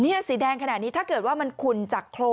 นี่สีแดงขนาดนี้ถ้าเกิดว่ามันขุ่นจากโครน